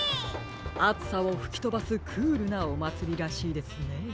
あつさをふきとばすクールなおまつりらしいですね。